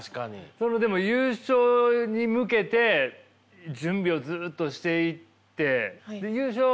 それでも優勝に向けて準備をずっとしていって優勝